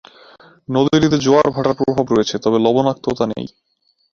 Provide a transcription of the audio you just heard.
নদীটিতে জোয়ার ভাটার প্রভাব রয়েছে, তবে লবণাক্ততা নেই।